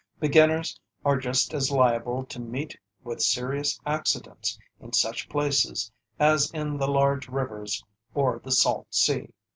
Beginners are just as liable to meet with serious accidents in such places as in the large rivers or the salt sea.